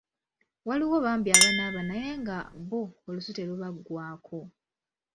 Waliwo bambi abanaaba naye nga bo olusu terubaggwaako.